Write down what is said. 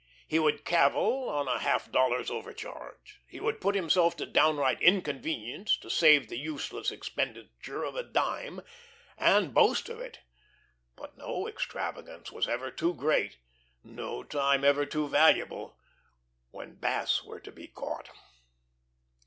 He would cavil on a half dollar's overcharge; he would put himself to downright inconvenience to save the useless expenditure of a dime and boast of it. But no extravagance was ever too great, no time ever too valuable, when bass were to be caught.